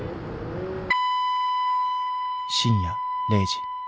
深夜０時。